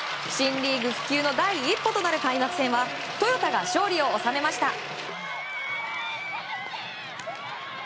新リーグ普及の第一歩となる開幕戦はトヨタが勝利を収めました。